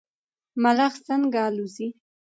ملخ څنګه الوځي؟